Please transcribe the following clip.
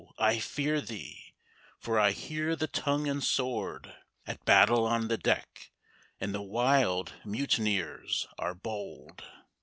I fear thee, for I hear the tongue and sword At battle on the deck, and the wild mutineers are bold!